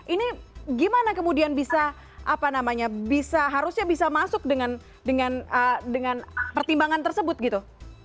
ini gimana kemudian bisa apa namanya harusnya bisa masuk dengan pertimbangan tersebut gitu